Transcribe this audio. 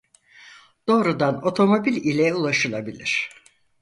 Doğrudan otomobil ile ulaşılabilir.